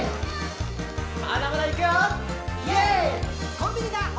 「コンビニだ！